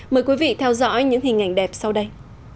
mời quý vị theo dõi những hình ảnh đẹp sau đây